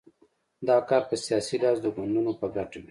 دا کار په سیاسي لحاظ د ګوندونو په ګټه وي.